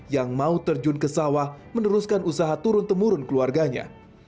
yang mau terjun ke sawah meneruskan usaha turun temurun keluarganya